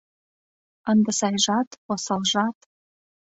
Ынде сайжат, осалжат